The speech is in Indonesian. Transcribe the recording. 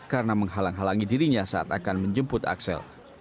karena menghalang halangi dirinya saat akan menjemput axel